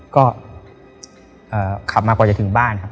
ก็ขับมากว่าจะถึงบ้านครับ